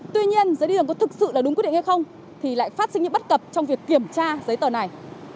tuy nhiên giấy đi đường có thực sự là đúng quyết định hay không thì lại phát sinh những bắt cập trong việc kiểm tra giấy tờ này